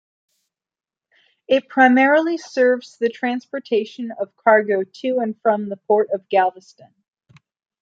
It primarily serves the transportation of cargo to and from the Port of Galveston.